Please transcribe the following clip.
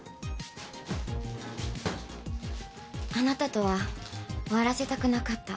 あなたとは終わらせたくなかった。